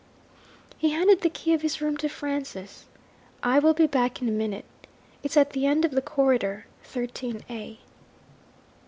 He handed the key of his room to Francis. 'I will be back in a minute. It's at the end of the corridor 13 A.'